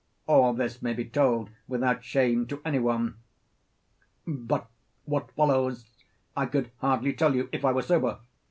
All this may be told without shame to any one. But what follows I could hardly tell you if I were sober.